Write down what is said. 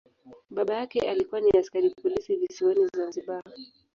Baba yake alikuwa ni askari polisi visiwani Zanzibar.